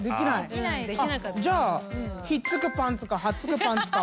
ひっつくあっひっつくパンツかはっつくパンツか。